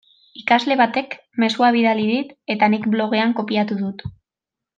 Ikasle batek mezua bidali dit eta nik blogean kopiatu dut.